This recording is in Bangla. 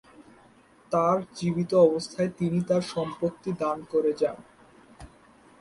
তার জীবিত অবস্থায় তিনি তার সম্পত্তি দান করে যান।